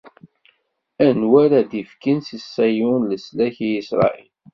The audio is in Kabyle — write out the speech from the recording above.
Anwa ara d-ifken si Ṣiyun leslak i Isṛayil?